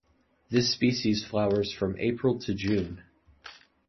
This species flowers from April to June.